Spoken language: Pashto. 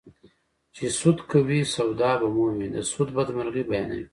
چې سود کوې سودا به مومې د سود بدمرغي بیانوي